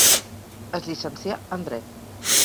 Es llicencià en Dret.